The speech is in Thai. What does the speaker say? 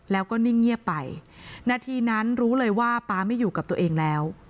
แล้วก็นิ่งเงียบไปนาทีนั้นรู้เลยว่าป๊าไม่อยู่กับตัวเองแล้ว